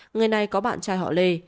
người này có bạn trai họ lê